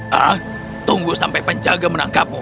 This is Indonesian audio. hah tunggu sampai penjaga menangkapmu